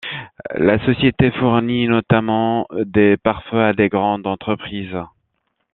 La société fournit notamment des pare-feu à de grandes entreprises.